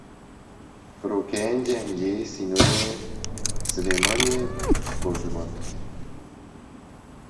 Firokeyeke cengî sînorê Silêmaniyê bordûman dike.